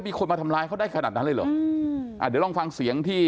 มีคนมาทำร้ายเขาได้ขนาดนั้นเลยเหรออืมอ่าเดี๋ยวลองฟังเสียงที่